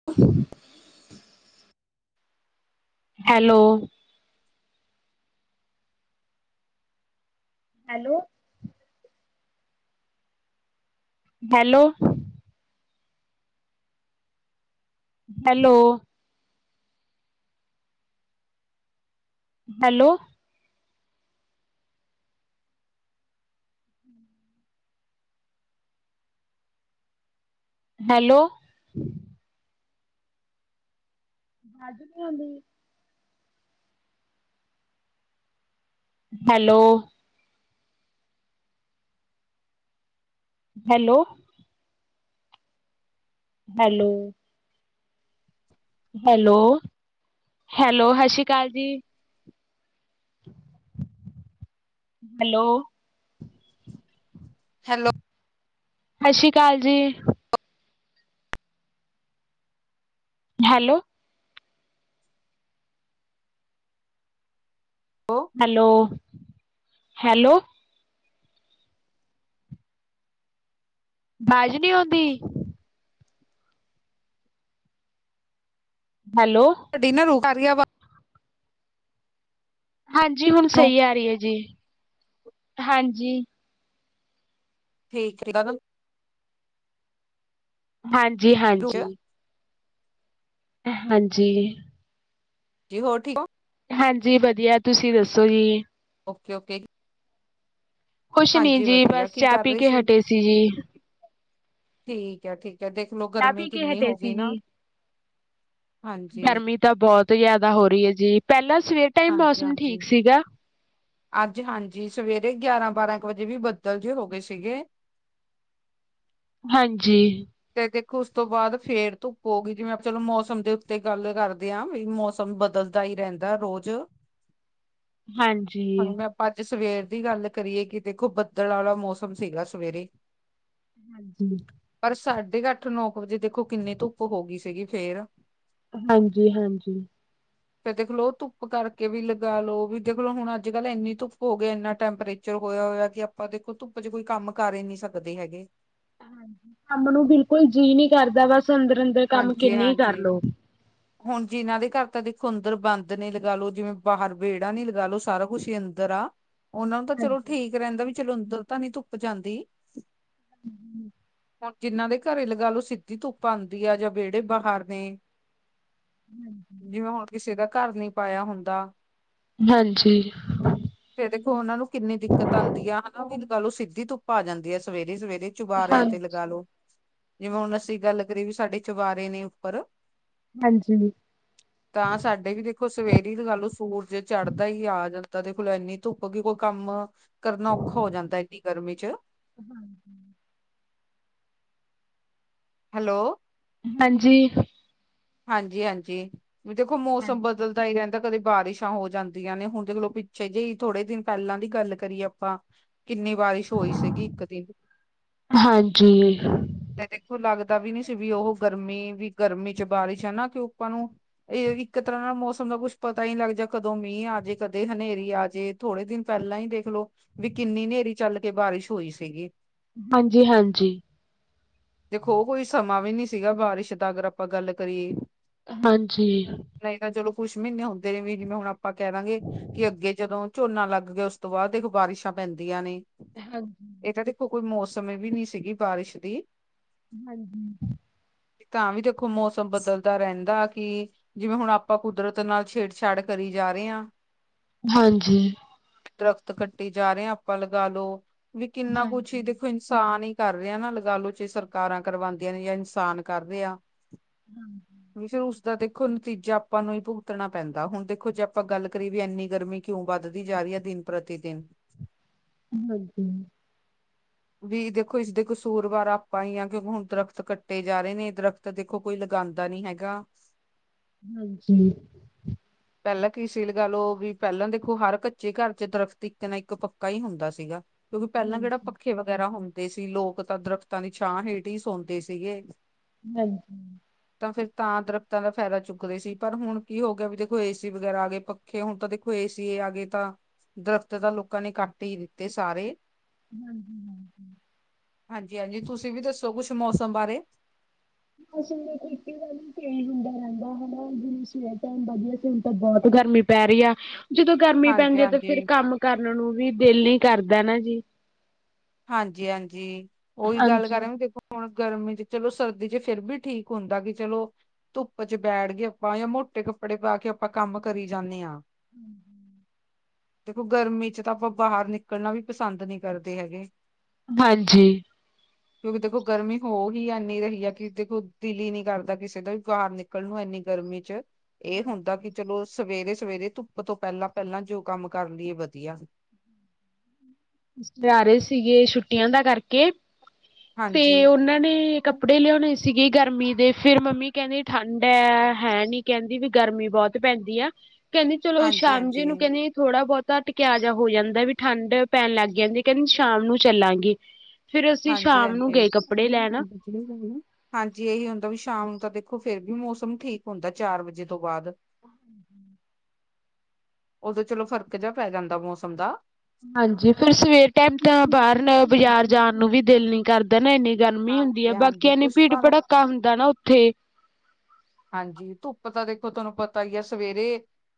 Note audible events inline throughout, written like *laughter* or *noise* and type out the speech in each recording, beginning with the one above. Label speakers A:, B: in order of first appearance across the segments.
A: ' *inaudible* Aloe. Hello. Hello. Hello. Hello. Hello. ਵਾਜ਼ ਨੀ ਆਉਂਦੀ hello. Hello. Hello.
B: *inaudible*
A: Hello -hello, ਸਤਿ ਸ਼੍ਰੀ ਅਕਾਲ ਜੀ *inaudible* ਹੈਲੋ।
B: ਹੈਲੋ।
A: ਸਤਿ ਸ਼੍ਰੀ ਅਕਾਲ ਜੀ। ਹੈਲੋ
B: ਹੋ *unintelligible*
A: ਹੈਲੋ-ਹੈਲੋ ਬਾਜ਼ ਨਹੀਂ ਆਉਂਦੀ ਹੈਲੋ।
B: ਤੁਹਾਡੀ ਨਾ ਰੋ ਕਰ ਰਹੀ ਆ ਆਵਾਜ਼
A: ਹਾਂਜੀ ਹੁਣ
B: ਨੂੰ
A: ਸਹੀ ਆ ਰਹੀ ਹੈ ਜੀ, ਹਾਂਜੀ।
B: ਠੀਕ -ਠੀਕ।
A: ਹਾਂਜੀ -ਹਾਂਜੀ। ਹਾਂਜੀ।
B: ਜੀ ਹੋਰ ਠੀਕ ਹੋ।
A: ਹਾਂਜੀ, ਵਧੀਆ ਤੁਸੀਂ ਦੱਸੋ ਜੀ।
B: Okay -okay.
A: ਕੁੁਛ ਨਹੀਂ
B: ਹਾਂਜੀ
A: ਜੀ
B: ਵਧੀਆ
A: ਬਸ
B: ਕੀ
A: ਚਾਹ
B: ਕਰ
A: ਪੀ
B: ਰਹੀ
A: ਕੇ ਹਟੇ ਸੀ ਜੀ।
B: ਠੀਕ ਹੈ, ਠੀਕ ਹੈ ਦੇਖਲੋ
A: ਚਾਹ
B: ਗਰਮੀ
A: ਪੀ ਕੇ
B: ਕਿੰਨੀ
A: ਹਟੇ
B: ਹੋ
A: ਸੀ
B: ਗਈ
A: ਜੀ
B: ਨਾ ਹਾਂਜੀ
A: ਗਰਮੀ ਤਾਂ ਬਹੁਤ ਜ਼ਿਆਦਾ ਹੋ ਰਹੀ ਹੈ ਜੀ ਪਹਿਲਾਂ ਸਵੇਰ ਟਾਈਮ
B: ਹਾਂਜੀ
A: ਮੌਸਮ ਠੀਕ
B: ਹਾਂਜੀ
A: ਸੀਗਾ
B: ਅੱਜ ਹਾਂਜੀ, ਸਵੇਰੇ ਗਿਆਰਾਂ- ਬਾਰਾਂ ਕੁ ਵਜੇ ਵੀ ਬੱਦਲ ਜੇ ਹੋ ਗਏ ਸੀਗੇ
A: ਹਾਂਜੀ।
B: ਫੇਰ ਦੇਖੋ ਉਸ ਤੋਂ ਬਾਅਦ ਫੇਰ ਧੁੱਪ ਹੋਗੀ ਜਿਵੇਂ, ਆਪਾ ਚਲੋ ਮੌਸਮ ਦੇ ਉੱਤੇ ਗੱਲ ਕਰਦੇ ਹਾਂ ਵੀ ਮੌਸਮ ਬਦਲ ਤਾ ਹੀ ਰਹਿੰਦਾ ਰੋਜ਼
A: ਹਾਂਜੀ।
B: ਮੈਂ ਆਪਾਂ ਅੱਜ ਸਵੇਰ ਦੀ ਗੱਲ ਕਰੀਏ ਕਿ ਦੇਖੋ ਬੱਦਲ ਵਾਲਾ ਮੌਸਮ ਸੀਗਾ ਸਵੇਰੇ
A: ਹਾਂਜੀ।
B: ਪਰ ਸਾਢੇ ਕੁ ਅੱਠ, ਨੌ ਕੁ ਵਜੇ ਦੇਖੋ ਕਿੰਨੀ ਧੁੱਪ ਹੋ ਗਈ ਸੀਗੀ ਫੇਰ
A: ਹਾਂਜੀ- ਹਾਂਜੀ।
B: ਫੇਰ ਦੇਖਲੋ ਧੁੱਪ ਕਰਕੇ ਵੀ ਲਗਾ ਲੋ ਵੀ ਦੇਖਲੋ ਹੁਣ ਅੱਜ ਕੱਲ੍ਹ ਇੰਨੀ ਧੁੱਪ ਹੋ ਗਈ ਇਨਾ ਟੈਂਪਰੇਚਰ ਚਲੋ ਹੋਇਆ- ਹੋਇਆ ਕਿ ਆਪਾਂ ਦੇਖੋ ਧੁੱਪ 'ਚ ' ਕੋਈ ਕੰਮ ਕਰ ਹੀ ਨੀ ਸਕਦੇ ਹੈਗੇ
A: ਹਾਂਜੀ, ਕੰਮ ਨੂੰ ਬਿਲਕੁੱਲ ਜੀਅ ਨਹੀਂ ਕਰਦਾ ਬਸ ਅੰਦਰ- ਅੰਦਰ ਕੰਮ
B: ਹਾਂਜੀ
A: ਕਿੰਨੇ ਹੀ
B: ਹਾਂਜੀ।
A: ਕਰਲੋ
B: ਹੁਣ ਜਿਨਾਂ ਦੇ ਘਰ ਤਾਂ ਦੇਖੋ ਅੰਦਰੋ ਬੰਦ ਨੇ ਲਗਾ ਲੋ, ਜਿਵੇਂ, ਬਾਹਰ ਵਿਹੜਾ ਨੀ ਲਗਾਲੋ ਸਾਰਾ ਕੁਛ ਹੀੰ ਅੰਦਰ ਆ, ਉਹਨਾ ਨੂੰ ਤਾਂ ਚਲੋ
A: ਹਾਂਜੀ
B: ਠੀਕ ਰਹਿੰਦਾ ਵੀ ਚਲੋ ਅੰਦਰੋ ਤਾ ਨਹੀਂ ਧੁੱਪ ਜਾਂਦੀ
A: *inaudible*
B: ਹੁਣ ਜਿੰਨਾ ਦੇ ਘਰੇ ਲਗਾ ਲਓ ਸਿੱਧੀ ਧੁੱਪ ਆਉਂਦੀ ਆ ਜਾਂ ਵਿਹੜੇ ਬਾਹਰ ਨੇ
A: *inaudible*
B: ਜਿਵੇਂ ਹੁਣ ਕਿਸੇ ਦਾ ਘਰ ਨਹੀਂ ਪਾਇਆ ਹੁੰਦਾ
A: ਹਾਂਜੀ।
B: ਫਿਰ ਦੇਖੋ ਉਹਨਾ ਨੂੰ ਕਿੰਨੀ ਦਿੱਕਤ ਆਉਂਦੀ ਆ ਹਨਾ ਵੀ ਲਗਾਲੋ ਸਿੱਧੀ ਧੁੱਪ ਆ ਜਾਂਦੀ ਆ ਸਵੇਰੇ- ਸਵੇਰੇ
A: ਹਾਂ
B: ਚੁਬਾਰਿਆਂ ਤੇ ਲਗਾ ਲੋ, ਜਿਵੇਂ ਹੁਣ ਅਸੀਂ ਗੱਲ ਕਰੀਏ ਵੀ ਸਾਡੇ ਚੁਬਾਰੇ ਨੇ ਉੱਪਰ
A: ਹਾਂਜੀ।
B: ਤਾਂ ਸਾਡੇ ਵੀ ਦੇਖੋ ਦੇਖੋ ਸਵੇਰੀ ਗੱਲ ਸੂਰਜ ਚੜ੍ਹਦਾ ਹੀ ਆ ਜਾਂਦਾ ਦੇਖਲੋ ਇੰਨੀ ਧੁੱਪ ਕੀ ਕੋਈ ਕੰਮ ਕਰਨਾ ਔਖਾ ਹੋ ਜਾਂਦਾ ਏਨੀ ਗਰਮੀ 'ਚ'
A: ਹਾਂਜੀ ਹ।
B: ਹੈਲੋ।
A: ਹਾਂਜੀ।
B: ਹਾਂਜੀ- ਹਾਂਜੀ, ਵੀ ਦੇਖੋ
A: ਹਾਂਜੀ
B: ਮੌਸਮ ਬਦਲਦਾ ਹੀ ਰਹਿੰਦਾ ਤਾਂ ਕਦੇ ਬਾਰਿਸ਼ਾਂ ਹੋ ਜਾਂਦੀਆਂ ਨੇ, ਹੁਣ ਤੇ ਚਲੋ ਪਿੱਛੇ ਜੇ ਥੋੜੇ ਦਿਨ ਪਹਿਲਾਂ ਦੀ ਗੱਲ ਕਰੀਏ ਆਪਾਂ ਕਿੰਨੀ ਬਾਰਿਸ਼ ਹੋਈ ਸੀਗੀ ਇੱਕ ਦਿਨ
A: ਹਾਂਜੀ
B: ਤੇ ਦੇਖੋ ਲੱਗਦਾ ਵੀ ਨੀ ਸੀ ਵੀ ਉਹ ਗਰਮੀ, ਵੀ ਗਰਮੀ 'ਚ' ਬਾਰਸ਼ ਹੈ ਕੀ ਆਪਾਂ ਨੂੰ ਇਹ ਇੱਕ ਤਰ੍ਹਾਂ ਨਾਲ ਮੌਸਮ ਦਾ ਕੁੱਛ ਪਤਾ ਲੱਗ ਜਾ ਕਦੋਂ, ਮੀਂਹ ਆਜੇ ਕਦੇ ਹਨੇਰੀ ਆਜੇ। ਥੋੜੇ ਦਿਨ ਪਹਿਲਾਂ ਹੀ ਦੇਖਲੋ। ਵੀ ਕਿੰਨੀ ਨੇਰੀ ਚੱਲ ਕੇ ਬਾਰਿਸ਼ ਹੋਈ ਸੀਗੀ।
A: ਹਾਂਜੀ-ਹਾਂਜੀ।
B: ਦੇਖੋ ਉਹ ਕੋਈ ਸਮਾਂ ਵੀ ਨੀ ਸੀਗਾ, ਬਾਰਿਸ਼ ਦਾ ਅਗਰ ਆਪਾਂ ਗੱਲ ਕਰੀਏ
A: ਹਾਂਜੀ।
B: ਨਹੀਂ ਤਾਂ ਚਲੋ ਕੁੱਛ ਮਹੀਨੇ ਹੁੰਦੇ ਨੇ। ਵੀ ਜਿਵੇਂ ਹੁਣ ਆਪਾਂ ਕਹਿ ਦਾ ਗੇ ਕਿ ਅੱਗੇ ਜਦੋਂ ਝੋਨਾ ਲੱਗ ਗਿਆ। ਉਸ ਤੋਂ ਬਾਅਦ ਦੇਖੋ ਬਾਰਿਸ਼ਾਂ ਪੈਂਦੀਆਂ ਨੇ।
A: ਹਾਂਜੀ
B: ਇਹ ਤਾਂ ਕੋਈ ਮੌਸਮ ਵੀ ਨੀ ਸੀਗੀ ਬਾਰਿਸ਼ ਦੀ।
A: ਹਾਂਜੀ।
B: ਤਾਂ ਵੀ ਦੇਖੋ ਮੌਸਮ ਬਦਲਦਾ ਰਹਿੰਦਾ ਕੀ ਜਿਵੇਂ ਹੁਣ ਆਪਾਂ ਕੁਦਰਤ ਨਾਲ ਛੇੜਛਾੜ ਕਰੀ ਜਾ ਰਹੇ ਆ।
A: ਹਾਂਜੀ।
B: ਦਰਖਤ ਕੱਟੀ ਜਾ ਰਹੇ ਆ, ਆਪਾਂ ਲਗਾਵੋ ਵੀ ਕਿੰਨਾ ਕੁਛ ਹੀ ਦੇਖੋ ਇਨਸਾਨ ਹੀ ਕਰ ਰਿਹਾ ਨਾ ਲਗਾ ਲੋ ਚੇ ਸਰਕਾਰਾਂ ਕਰਵਾਦੀਆਂ ਨੇ ਜਾਂ ਇਨਸਾਨ ਕਰ ਰਿਹਾ ਆ।
A: ਹਮ।
B: ਹਮੇਸ਼ਾ ਉਸਦਾ ਦੇਖੋ ਨਤੀਜਾ ਆਪਾਂ ਨੂੰ ਹੀ ਭੁਗਤਣਾ ਪੈਂਦਾ ਹੁਣ ਦੇਖੋ ਜੇ ਆਪਾਂ ਗੱਲ ਕਰੀਏ ਵੀ ਇੰਨੀ ਗਰਮੀ ਕਿਉਂ ਵੱਧਦੀ ਜਾ ਰਹੀ ਐ ਦਿਨ ਪ੍ਰਤੀ ਦਿਨ।
A: ' *inaudible* ' ਹਾਂਜੀ' ' *inaudible*
B: ਵੀ ਦੇਖੋ ਇਸਦੇ ਕਸੂਰਵਾਰ ਆਪਾਂ ਹੀ ਹਾਂ ਕਿਉਂਕਿ ਹੁਣ ਦਰਖਤ ਕੱਟੇ ਜਾ ਰਹੇ ਨੇ ਦਰਖਤ ਦੇ ਦੇਖੋ ਕੋਈ ਲਗਾਂਦਾ ਨੀ ਹੈਗਾ।
A: ਹਾਂਜੀ।
B: ਪਹਿਲਾਂ ਕੀ ਸੀ ਲਗਾ ਲੋ ਵੀ, ਪਹਿਲਾਂ ਦੇਖੋ, ਹਰ ਕੱਚੇ ਘਰ ਚ ਦਰਖਤ ਇੱਕ ਨਾ ਇੱਕ ਪੱਕਾ ਹੀ ਹੁੰਦਾ ਸੀਗਾ ਕਿਉਂਕਿ ਪਹਿਲਾਂ ਜਿਹੜਾ ਪੱਖੇ ਵਗੈਰਾ ਹੁੰਦੇ ਸੀ। ਲੋਕ ਤਾਂ ਦਰਖਤਾਂ ਦੀ ਛਾਂ ਹੇਠ ਹੀ ਸੌਂਦੇ ਸੀਗੇ
A: ਹਾਂਜੀ।
B: ਤਾਂ ਫਿਰ ਤਾਂ ਦਰਖ਼ਤਾਂ ਦਾ ਫਾਇਦਾ ਚੁੱਕਦੇ ਸੀ। ਪਰ ਹੁਣ ਕੀ ਹੋ ਗਿਆ ਵੀ ਦੇਖੋ। ਏ ਸੀ ਵਗੈਰਾ ਆ ਗਏ ਕੇ ਹੁਣ ਤਾਂ ਦੇਖੋ ਏ ਸੀ ਆ ਗਏ ਤਾਂ ਦਰਖ਼ਤ ਤਾਂ ਲੋਕਾਂ ਨੇ ਕੱਟ ਹੀ ਦਿੱਤੇ ਸਾਰੇ।
A: ਹਾਂਜੀ-ਹਾਂਜੀ।
B: ਹਾਂਜੀ-ਹਾਂਜੀ ਤੁਸੀਂ ਵੀ ਦੱਸੋ? ਕੁਛ ਮੌਸਮ ਬਾਰੇ।
A: ਅਸੀਂ ਕੀਤੀ ਗ ਹੁੰਦਾ ਰਹਿੰਦਾ ਹਨਾ, ਜਿਵੇਂ ਸਵੇਰੇ ਟਾਈਮ ਵਧੀਆ ਸੀ ਹੁਣ ਤਾਂ ਬਹੁਤ ਗਰਮੀ ਪੈ ਰਹੀ ਆ ਜਦੋਂ ਗਰਮੀ ਪੈਂਦੀ ਆ, ਤਾਂ
B: ਹਾਂਜੀ-ਹਾਂਜੀ
A: ਫਿਰ ਕੰਮ ਕਰਨ ਨੂੰ ਵੀ ਦਿਲ ਨੀ ਕਰਦਾ ਨਾ ਜੀ।
B: ਹਾਂਜੀ-ਹਾਂਜੀ ਉਹੀ ਗੱਲ
A: ਹਾਂਜੀ
B: ਕਰ ਦੇਖੋ ਹੁਣ ਗਰਮੀ 'ਚ' ਚਲੋ, ਸਰਦੀ ਫਿਰ ਵੀ ਠੀਕ ਹੁੰਦਾ ਵੀ ਚਲੋ ਧੁੱਪ 'ਚ' ਬੈਠ ਕੇ ਆਪਾਂ ਜਾਂ ਮੋਟੇ ਕੱਪੜੇ ਪਾ ਕੇ ਆਪਾਂ ਕੰਮ ਕਰੀ ਜਾਂਨੇ ਆ।
A: ' *inaudible*
B: ਦੇਖੋ, ਗਰਮੀ 'ਚ' ਤਾਂ ਆਪਾਂ ਬਾਹਰ ਨਿਕਲਣਾ ਵੀ ਪਸੰਦ ਨੀ ਕਰਦੇ ਹੈਗੇ।
A: ਹਾਂਜੀ।
B: ਕਿਉਂਕਿ, ਦੇਖੋ ਗਰਮੀ ਹੋ ਹੀ ਇਨੀ ਰਹੀ ਹੈ। ਕੀ ਦੇਖੋ ਦਿਲ ਹੀ ਨੀ ਕਰਦਾ ਕਿਸੇ ਦਾ ਬਾਹਰ ਨਿਕਲ ਨਿਕਲ ਨੂੰ ਇੰਨੀ ਗਰਮੀ 'ਚ'। ਇਹ ਹੁੰਦਾ ਕਿ ਚਲੋ, ਸਵੇਰੇ-ਸਵੇਰੇ ਧੁੱਪ ਤੋਂ ਪਹਿਲਾਂ- ਪਹਿਲਾਂ ਜੋ ਕੰਮ ਕਰ ਲਈਏ ਵਧੀਆ।
A: ਜਾ ਰਹੇ ਸੀਗੇ ਛੁੱਟੀਆਂ ਦਾ ਕਰਕੇ, ਤੇ
B: ਹਾਂਜੀ
A: ਉਹਨਾਂ ਨੇ ਕੱ ਕੱਪੜੇ ਲਿਆਉਣੇ ਸੀਗੇ ਗਰਮੀ ਦੇ। ਫਿਰ ਮੰਮੀ ਕਹਿੰਦੀ ਠੰਡ ਏ ਹੈ ਨੀ ਕਹਿੰਦੀ ਵੀ ਗਰਮੀ ਬਹੁਤ ਪੈਂਦੀ ਆ, ਕਹਿੰਦੀ ਚਲੋ
B: ਹਾਂਜੀ
A: ਸ਼ਾਮ ਜੀ ਨੂੰ
B: ਹਾਂਜੀ
A: ਕਹਿੰਦੇ ਥੋੜ੍ਹਾ ਬਹੁਤਾ ਟੇਕਾਅ ਜਿਹਾ ਹੋ ਜਾਂਦਾ ਵੀ ਠੰਡ ਪੈਣ ਲੱਗ ਜਾਂਦੀ ਕਹਿੰਦੀ ਸ਼ਾਮ ਨੂੰ ਚੱਲਾਂਗੇ, ਫੇਰ ਅਸੀਂ ਸ਼ਾਮ ਨੂੰ ਗਏ ਕੱਪੜੇ ਲੈਣ।
B: ' *unintelligible* ਹਾਂਜੀ, ਇਹੀ ਹੁੰਦਾ ਵੀ ਸ਼ਾਮ ਨੂੰ ਤਾਂ ਦੇਖੋ ਫਿਰ ਵੀ ਮੌਸਮ ਠੀਕ ਹੁੰਦਾ ਚਾਰ ਵਜੇ ਤੋਂ ਬਾਅਦ।
A: ' *inaudible*
B: ਉਦੋਂ ਚਲੋ ਫਰਕ ਜਿਹਾ ਪੈ ਜਾਂਦਾ ਮੌਸਮ ਦਾ।
A: ਹਾਂਜੀ, ਸਵੇਰ ਟਾਈਮ ਤਾਂ ਬਾਹਰ, ਬਜ਼ਾਰ ਜਾਣ ਨੂੰ ਦਿਲ ਨ ਕਰਦੇ ਨਾ ਇੰਨੀ ਗਰਮੀ ਹੁੰਦੀ
B: ਹਾਂਜੀ
A: ਆ ਬਾਕੀ
B: ਹਾਂਜੀ
A: ਕੇ ਇੰਨੀ
B: ਕੁਛ
A: ਭੀੜ
B: ਤੁਹਾਨੂੰ
A: ਭੜਾਕਾ ਹੁੰਦਾ ਨਾ ਉੱਥੇ।
B: ਹਾਂਜੀ, ਧੁੱਪ ਤਾਂ ਦੇਖੋ ਤੁਹਾਨੂੰ ਪਤਾ ਹੀ ਆ ਸਵੇਰੇ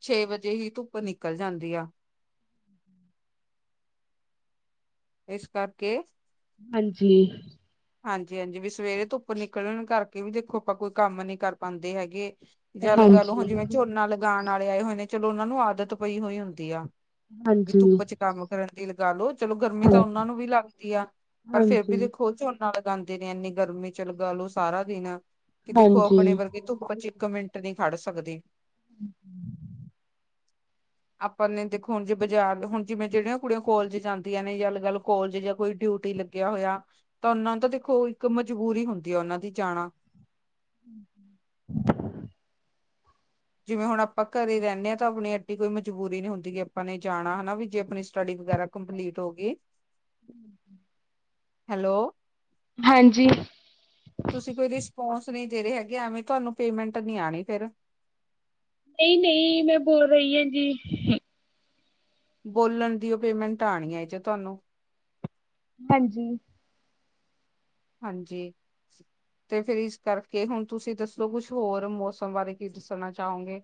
B: ਛੇ ਵਜੇ ਹੀ ਧੁੱਪ ਨਿਕਲ ਜਾਂਦੀ ਆ।
A: ' *inaudible*
B: ਇਸ ਕਰਕੇ
A: ਹਾਂਜੀ।
B: ਹਾਂਜੀ-ਹਾਂਜੀ ਵੀ ਸਵੇਰੇ ਤੋਂ ਉੱਪਰ ਨਿਕਲਣ ਕਰਕੇ ਵੀ ਦੇਖੋ ਆਪਾਂ ਕੋਈ ਕੰਮ ਨੀ ਕਰ ਪਾਂਦੇ ਹੈਗੇ। ਜਾ ਲਗਾ ਲਓ, ਹੁਣ
A: ਹਾਂਜੀ
B: ਜਿਵੇਂ ਝੋਨਾ ਲਗਾਣ ਆਲੇ ਆਏ ਹੋਏ ਨੇ ਚਲੋ ਉਹਨਾਂ ਨੂੰ ਆਦਤ ਪਈ ਹੋਈ ਹੁੰਦੀ ਆ। ਵੀ
A: ਹਾਂਜੀ
B: ਧੁੱਪ 'ਚ' ਕੰਮ ਕਰਨ ਤੇ ਲਗਾ ਲੋ ਚਲੋ ਗਰਮੀ ਤਾਂ
A: ਹਾਂ
B: ਉਹਨਾਂ ਨੂੰ ਵੀ ਲੱਗਦੀ ਆ। ਪਰ ਫੇਰ ਵੀ
A: ਹਾਂਜੀ
B: ਦੇਖੋ ਝੋਨ ਝੋਨਾ ਲਗਾਂਦੇ ਨੇ ਇੰਨੀ ਗਰਮੀ 'ਚ' ਲਗਾ ਲੋੋ ਸਾਰਾ ਦਿਨ, ਕਿ ਦੇਖੋ ਆਪਣੇ
A: ਹਾਂਜੀ
B: ਵਰਗੇ ਧੁੱਪ 'ਚ'। ਇੱਕ ਮਿੰਟ ਨੀ ਖੜ ਸਕਦੇ।
A: ' *inaudible*
B: ਆਪਾਂ ਨੇ ਦੇਖੋ ਹੁਣ ਜੇ ਬਾਜ਼ਾਰ ਹੁਣ ਜਿਵੇਂ ਜਿਹੜੀਆਂ ਕੁੜੀਆਂ ਕੋਲਜ ਜਾਂਦੀਆਂ ਨੇ ਜਾਂ ਗੱਲ-ਗੱਲ ਕੋਲਜ ਜਾਂ ਕੋਈ ਡਿਊਟੀ ਲੱਗੀ ਲੱਗਿਆ ਹੋਇਆ ਤਾਂ ਉਹਨਾਂ ਨੂੰ ਤਾਂ ਦੇਖੋ ਇੱਕ ਮਜਬੂਰੀ ਹੁੰਦੀ ਆ ਉਹਨਾਂ ਦੀ ਜਾਣਾ।
A: ' *inaudible*
B: ਜਿਵੇਂ ਹੁਣ ਆਪਾਂ ਘਰੇ ਰਹਿੰਨੇ ਆ, ਤਾਂ ਆਪਣੀ ਐਡੀ ਕੋਈ ਮਜਬੂਰੀ ਨੀ ਹੁੰਦੀ ਆਪਾਂ ਨੇ ਜਾਣਾ ਹਨਾ ਵੀ ਜੇ ਆਪਣੀ ਸਟੱਡੀ ਵਗੈਰਾ ਕੰਪਲੀਟ ਹੋ ਗਈ।
A: ' *inaudible*
B: ਹੈਲੋ।
A: ਹਾਂਜੀ।
B: ਤੁਸੀਂ ਕੋਈ ਰਿਸਪੋਂਸ ਨਹੀਂ ਦੇ ਰਹੇ ਹੈਗੇ ਐਵੇਂ ਤੁਹਾਨੂੰ ਪੇਮੈਂਟ ਨੀ ਆਣੀ ਫਿਰ।
A: ਨਹੀਂ-ਨਹੀਂ ਮੈਂ ਬੋਲ ਰਹੀ ਆ ਜੀ।
B: ਬੋਲਣ ਦੀ ਉਹ ਪੇਮੈਂਟ ਆਣੀ ਐ 'ਚ' ਤੁਹਾਨੂੰ।
A: ਹਾਂਜੀ।
B: ਹਾਂਜੀ। ਤੇ ਫੇਰ ਇਸ ਕਰਕੇ ਹੁਣ ਤੁਸੀਂ ਦੱਸੋ, ਕੁਛ ਹੋਰ ਮੌਸਮ ਬਾਰੇ ਕੀ ਦੱਸਣਾ ਚਾਹੋਗੇ।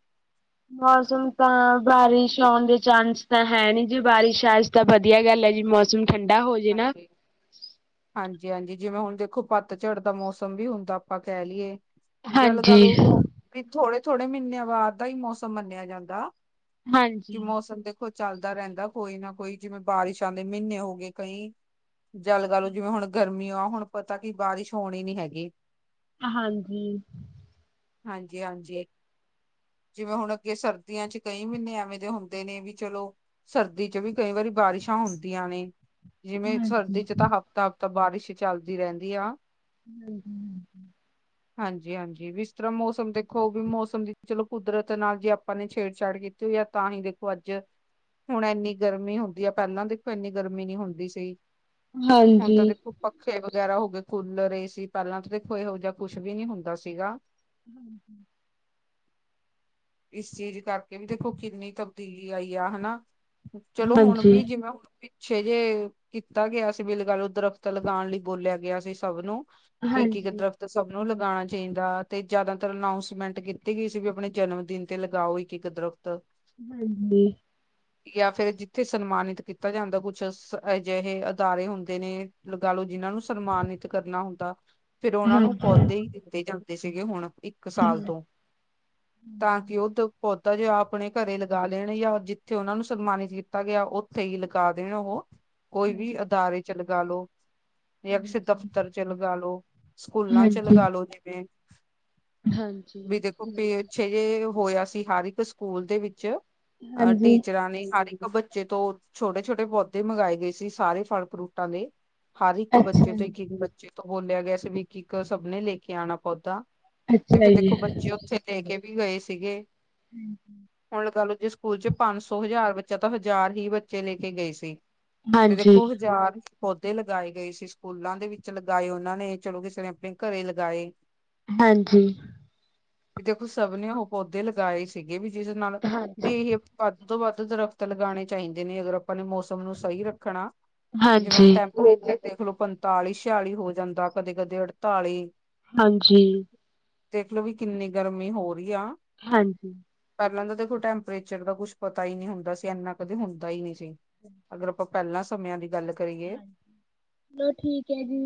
A: ਮੌਸਮ ਤਾਂ ਬਾਰਿਸ਼ ਆਉਣ ਦੇ ਚਾਂਨਸ ਤਾਂ ਹੈ ਨੀ ਜੀ, ਬਾਰਿਸ਼ ਆ ਈ। ਤਾਂ ਵਧੀਆ ਗੱਲ ਹੈ ਜੀ, ਮੌਸਮ ਠੰਡਾ ਹੋ ਜੂ।
B: ਹਾਂਜੀ। ਹਾਂਜੀ-ਹਾਂਜੀ ਜਿਵੇਂ ਹੁਣ ਦੇਖੋ, ਪੱਤਝੜ ਦਾ ਮੌਸਮ ਵੀ ਹੁੰਦਾ ਆਪਾਂ ਕਹਿ ਲਈਏ। ਜਾ ਲੱਗਾ
A: ਹਾਂਜੀ
B: ਵੀ ਥੋੜੇ-ਥੋੜੇ ਮਹੀਨਿਆਂ ਬਾਅਦ ਦਾ ਹੀ ਮੌਸਮ ਮੰਨਿਆ ਜਾਂਦਾ। ਕਿ
A: ਹਾਂਜੀ
B: ਮੌਸਮ ਦੇਖੋ ਚੱਲਦਾ ਰਹਿੰਦਾ, ਕੋਈ ਨਾ ਕੋਈ ਜਿਵੇਂ ਬਾਰਿਸ਼ਾ ਦੇ ਮਹੀਨੇ ਹੋ ਗੇ। ਕਈ ਜਾ ਲੱਗਾ ਲੋ, ਜਿਵੇਂ ਹੁਣ ਗਰਮੀ ਆ ਹੁਣ ਪਤਾ ਕਿ ਬਾਰਿਸ਼ ਹੋਣੀ ਨੀ ਹੈਗੀ।
A: ਹਾਂਜੀ।
B: ਹਾਂਜੀ-ਹਾਂਜੀ। ਜਿਵੇਂ ਹੁਣ ਅੱਗੇ ਸਰਦੀਆਂ 'ਚ' ਕਈ ਮਹੀਨੇ ਐਵੇਂ ਦੇ ਹੁੰਦੇ ਨੇ ਵੀ ਚਲੋ ਸਰਦੀ 'ਚ' ਵੀ ਕਈ ਵਾਰੀ ਬਾਰਿਸ਼ਾਂ ਹੁੰਦੀਆਂ ਨੇ। ਜਿਵੇਂ ਸਰਦੀ
A: ਹਾਂਜੀ
B: 'ਚ' ਤਾਂ ਹਫ਼ਤਾ-ਹਫ਼ਤਾ ਬਾਰਿਸ਼ ਚੱਲਦੀ ਰਹਿੰਦੀ ਆ।
A: ' *inaudible*
B: ਹਾਂਜੀ-ਹਾਂਜੀ ਵੀ ਇਸ ਤਰ੍ਹਾਂ ਮੌਸਮ ਦੇਖੋ ਵੀ ਮੌਸਮ ਦੀ ਚਲੋ। ਕੁਦਰਤ ਨਾਲ ਜੇ ਆਪਾਂ ਨੇ ਛੇੜਛਾੜ ਕੀਤੀ ਹੋਈ ਐ ਤਾਂ ਹੀ ਦੇਖੋ ਅੱਜ ਹੁਣ ਇੰਨੀ ਗਰਮੀ ਹੁੰਦੀ ਆ, ਪਹਿਲਾਂ ਦੇਖੋ ਇੰਨੀ ਗਰਮੀ ਨੀ ਹੁੰਦੀ ਸੀ ਹੁਣ ਤਾਂ
A: ਹਾਂਜੀ
B: ਦੇਖੋ ਪੱਖੇ ਵਗੈਰਾ ਹੋ ਗਏ ਕੂਲਰ, ਏ ਸੀ ਪਹਿਲਾਂ ਤਾਂ ਦੇਖੋ ਇਹੋ ਜਿਹਾ ਕੁੱਛ ਵੀ ਨਹੀਂ ਹੁੰਦਾ ਸੀਗਾ।
A: ਹਾਂਜੀ।
B: ਇਸ ਚੀਜ਼ ਕਰਕੇ ਵੀ ਦੇਖੋ ਕਿੰਨੀ ਤਬਦੀਲੀ ਆਈ ਆ ਹਨਾ। ਚਲੋ ਹੁਣ ਵੀ
A: ਹਾਂਜੀ
B: ਜਿਵੇਂ ਸੇਜੇ, ਕੀਤਾ ਗਿਆ ਸੀ ਵੀ ਲਗਾਲੋ ਦਰੱਖਤ ਲਗਾਣ ਲਈ ਬੋਲਿਆ ਗਿਆ ਸੀ ਸਭ ਨੂੰ। ਕਿ-ਕਿ
A: ਹਾਂਜੀ,
B: ਕਿਧਰ ਤੇ ਸਭ ਨੂੰ ਲਗਾਉਣਾ ਚਾਹੀਦਾ ਤੇ ਜ਼ਿਆਦਾਤਰ ਅਨਾਉਸਮੈਂਟ ਕੀਤੀ ਗਈ ਵੀ, ਆਪਣੇ ਜਨਮ ਦਿਨ ਤੇ ਲਗਾਓ ਕਿ ਇੱਕ- ਇੱਕ ਦਰੱਖਤ ਤ
A: ਹਾਂਜੀ।
B: ਜਾਂ ਫਿਰ ਜਿੱਥੇ ਸਨਮਾਨਿਤ ਕੀਤਾ ਜਾਂਦਾ ਕੁ ਕੁਛ ਅਜਿਹੇ ਅਦਾਰੇ ਹੁੰਦੇ ਨੇ ਲਗਾ ਲੋ ਜਿਨਾਂ ਨੂੰ ਸਨਮਾਨਿਤ ਕਰਨਾ ਹੁੰਦਾ। ਫਿਰ ਉਹਨਾਂ ਨੂੰ ਪੌਦੇ ਹੀ ਦਿੱਤੇ ਜਾਂਦੇ ਸੀਗੇ ਹੁਣ ਇੱਕ ਇਕ ਸਾਲ ਤੋਂ ' *inaudible* ' ਤਾਂ ਕਿ ਉਹ ਪੌਦਾ ਜੋ ਆਪਣੇ ਘਰੇ ਲਗਾ ਲੈਣ ਜਾਂ ਜਿੱਥੇ ਉਹਨਾਂ ਨੂੰ ਸਨਮਾਨਿਤ ਕੀਤਾ ਗਿਆ ਉੱਥੇ ਹੀ ਲਗਾ ਦੇਣ ਉਹ ਕੋਈ ਵੀ ਅਦਾਰੇ 'ਚ' ਲਗਾ ਲੋ। ਜਾਂ ਕਿਸੇ ਦਫ਼ਤਰ 'ਚ' ਲਗਾ ਲੋ ਸਕੂਲਾਂ 'ਚ'
A: ਹਾਂਜੀ।
B: ਲਗਾ ਲੋ ਜਿਵੇਂ
A: ਹਾਂਜੀ।
B: ' *unintelligible* ' ਜੇ ਹੋਇਆ ਸੀ ਹਰ ਇੱਕ ਸਕੂਲ ਦੇ ਵਿੱਚ ਅ
A: ਹਾਂਜੀ,
B: ਟੀਚਰਾਂ ਨੇ ਹਰ ਇੱਕ ਬੱਚੇ ਤੋਂ ਛੋਟੇ ਛੋਟੇ ਪੌਦੇ ਮੰਗਗਾਏ ਗਏ ਸੀ ਸਾਰੇ ਫਲ ਫਰੂਟਾਂ ਦੇ ਹਰ ਇੱਕ ਬੱਚੇ
A: ਅੱਛਾ,
B: ਤੋਂ ਇੱਕ-ਇੱਕ ਬੱਚੇ ਬੱਚੇ ਤੋਂ ਬੋਲਿਆ ਗਿਆ ਸੀ, ਵੀ ਇੱਕ ਸਭ ਨੇ ਲੈ ਕੇ ਆਉਣਾ ਪੌਦਾ ਤੇ
A: ਅੱਛਾ
B: ਫਿਰ
A: ਜੀ।
B: ਦੇਖੋ ਬੱਚੇ ਉੱਥੇ ਦੇਕੇ ਵੀ ਗਏ ਸੀਗੇ
A: ' *unintelligible*
B: ਹੁਣ ਲਗਾ ਲਓ ਜੇ ਸਕੂਲ 'ਚ' ਪੰਜ ਸੌ ਹਜ਼ਾਰ ਬੱਚਾ ਤਾਂ ਹਜ਼ਾਰ ਹੀ ਬੱਚੇ ਲੈ ਕੇ ਗਏ ਸੀ। ਤੇ
A: ਹਾਂਜੀ।
B: ਦੇਖੋ ਹਜ਼ਾਰ ਪੌਦੇ ਲਗਾਏ ਗਏ ਸੀ, ਸਕੂਲਾਂ ਦੇ ਵਿੱਚ ਲਗਾਏ ਉਹਨਾਂ ਨੇ, ਚਲੋ ਕਿਸ ਨੇ ਆਪਣੇ ਘਰੇ ਲਗਾਏ।
A: ਹਾਂਜੀ।
B: ਦੇਖੋ ਸਭ ਨੇ ਉਹ ਪੌਦੇ ਲਗਾਏ ਸੀਗੇ ਵੀ ਜਿਸ ਨਾਲ ਵੀ
A: ਹਾਂਜੀ,
B: ਇਹ ਵੱਧ ਤੋਂ ਵੱਧ ਦਰਖਤ ਲਗਾਉਣੇ ਚਾਹੀਦੇ ਨੇ ਅਗਰ ਆਪਾਂ ਨੇ ਮੌਸਮ ਮੌਸਮ ਨੂੰ ਸਹੀ ਰੱਖਣਾ ਜਿਵੇਂ
A: ਹਾਂਜੀ,
B: ਹੁਣ ਟ
A: ਹਾਂਜੀ।
B: ਇਥੇ ਦੇਖਲੋ ਪੰਤਾਲੀ, ਛਿਆਲੀ ਹੋ ਜਾਂਦਾ ਕਦੇ-ਕਦੇ ਅੜਤਾਲੀ
A: ਹਾਂਜੀ।
B: ਦੇਖਲੋ ਵੀ ਕਿੰਨੀ ਗਰਮੀ ਹੋ ਰਹੀ ਆ
A: ਹਾਂਜੀ।
B: ਪਹਿਲਾਂ ਤਾਂ ਦੇਖੋ ਟੈਂਪਰੇਚਰ ਦਾ ਕੁਛ ਪਤਾ ਹੀ ਨਹੀਂ ਹੁੰਦਾ ਸੀ, ਇੰਨਾ ਕਦੇ ਹੁੰਦਾ ਹੀ ਨਹੀਂ ਸੀ।
A: ' *inaudible*
B: ਅਗਰ ਆਪਾਂ ਪਹਿਲਾਂ ਸਮਿਆਂ ਦੀ ਗੱਲ ਕਰੀਏ।
A: ਚਲੋ ਠੀਕ ਹੈ ਜੀ।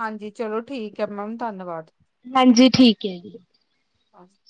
B: ਹਾਂਜੀ ਚਲੋ ਠੀਕ ਹੈ ਮੈਮ ਧੰਨਵਾਦ।
A: ਹਾਂਜੀ, ਠੀਕ ਐ ਜੀ।
B: ' *unintelligible*